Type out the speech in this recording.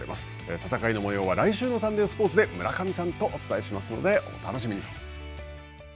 戦いの模様は来週のサンデースポーツで村上さんとお伝えしますのでお楽しみに。